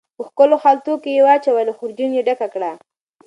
په ښکلو خلطو کې واچولې، خورجین یې ډکه کړه